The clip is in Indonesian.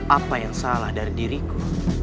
apa yang salah dari diriku